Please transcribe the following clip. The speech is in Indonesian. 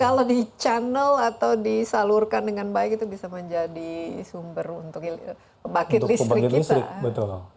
kalau di channel atau disalurkan dengan baik itu bisa menjadi sumber untuk pembangkit listrik kita